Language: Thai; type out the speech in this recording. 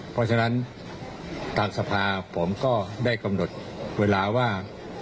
เพราะฉะนั้นทางสภาผมก็ได้กำหนดเวลาว่า